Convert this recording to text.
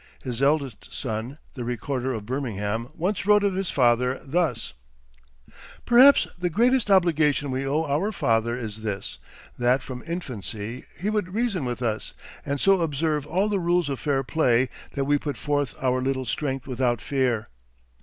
His eldest son, the recorder of Birmingham, once wrote of his father thus: "Perhaps the greatest obligation we owe our father is this: that, from infancy, he would reason with us, and so observe all the rules of fair play, that we put forth our little strength without fear.